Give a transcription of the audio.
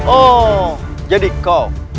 oh jadi kau